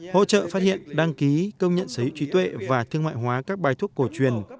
hỗ trợ phát hiện đăng ký công nhận sởi trí tuệ và thương mại hóa các bài thuốc cổ truyền